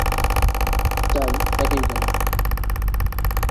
তাই একাই গেলাম!